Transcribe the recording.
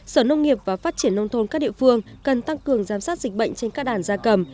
sở nông nghiệp và phát triển nông thôn các địa phương cần tăng cường giám sát dịch bệnh trên các đàn gia cầm